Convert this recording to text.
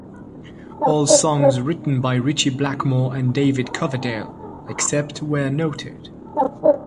All songs written by Ritchie Blackmore and David Coverdale except where noted.